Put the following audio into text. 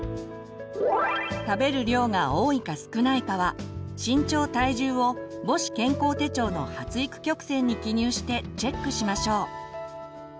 食べる量が多いか少ないかは身長・体重を母子健康手帳の発育曲線に記入してチェックしましょう。